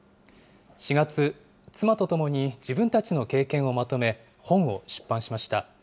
４月、妻とともに自分たちの経験をまとめ、本を出版しました。